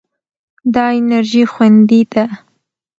دا انرژي خوندي ده.